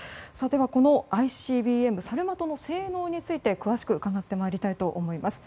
このＩＣＢＭサルマトの性能について詳しく伺ってまいりたいと思います。